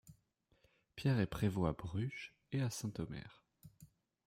Pierre est prévôt à Bruges et à Saint-Omer.